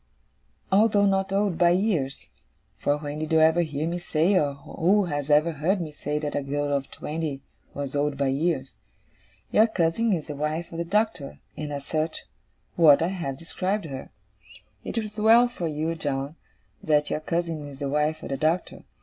Although not old by years for when did you ever hear me say, or who has ever heard me say, that a girl of twenty was old by years! your cousin is the wife of the Doctor, and, as such, what I have described her. It is well for you, John, that your cousin is the wife of the Doctor.